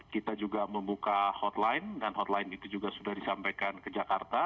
kita juga membuka hotline dan hotline itu juga sudah disampaikan ke jakarta